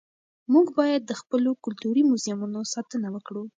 موږ باید د خپلو کلتوري موزیمونو ساتنه وکړو.